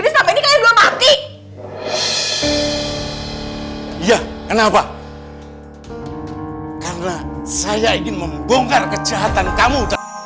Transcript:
karena saya ingin membongkar kejahatan kamu